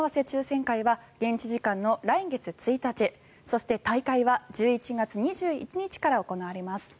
抽選会は現地時間の来月１日そして、大会は１１月２１日から行われます。